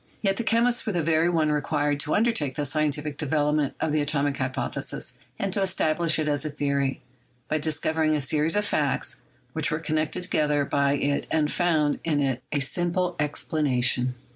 Yet the chemist was the very one required to undertake the scientific development of the atomic hypothesis and to establish it as a theory, by discovering a series of facts which were connected together by it and found in it a sim ple explanation.